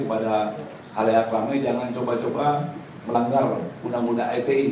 pada hal yang aku panggil jangan coba coba melanggar undang undang iti